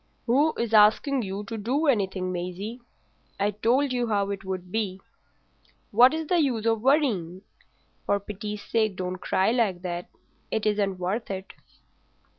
"Who is asking you to do anything, Maisie? I told you how it would be. What's the use of worrying? For pity's sake don't cry like that; it isn't worth it."